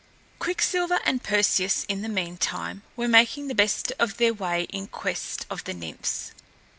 Quicksilver and Perseus, in the meantime, were making the best of their way in quest of the Nymphs.